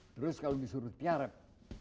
terus kalau disuruh tiarep